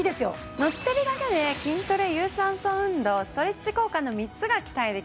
のってるだけで筋トレ有酸素運動ストレッチ効果の３つが期待できます。